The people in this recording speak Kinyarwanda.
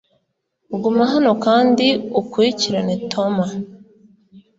Guma hano kandi ukurikirane Toma.